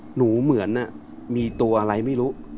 เหมือนมีตัวอะไรไม่รู้